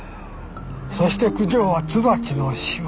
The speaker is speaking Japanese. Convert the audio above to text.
そして九条は椿の死を。